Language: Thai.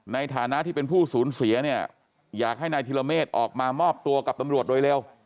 ในฐานะที่เป็นผู้สูญเสียเนี่ยอยากให้นายธิรเมฆออกมามอบตัวกับตำรวจโดยเร็ว